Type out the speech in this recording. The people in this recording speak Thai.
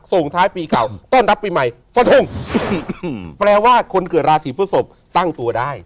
ส่งท้ายปีเก่าต้อนรับปีใหม่ฟันทงแปลว่าคนเกิดราศีพฤศพตั้งตัวได้